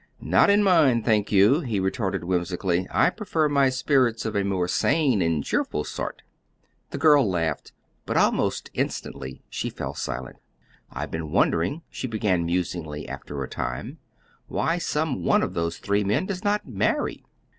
"Not in mine, thank you;" he retorted whimsically. "I prefer my spirits of a more sane and cheerful sort." The girl laughed, but almost instantly she fell silent. "I've been wondering," she began musingly, after a time, "why some one of those three men does not marry."